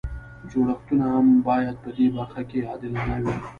جوړښتونه هم باید په دې برخه کې عادلانه وي.